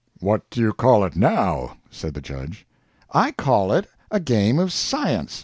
"What do you call it now?" said the judge. "I call it a game of science!"